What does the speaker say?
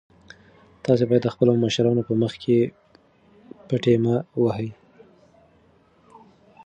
تاسي باید د خپلو مشرانو په مخ کې پټې مه وهئ.